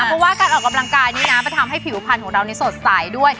เพราะว่าการออกกำลังกายนี่นะมันทำให้ผิวพันธ์ของเรานี่สดใสด้วย